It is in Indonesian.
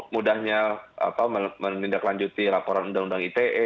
mudahnya menindaklanjuti laporan undang undang ite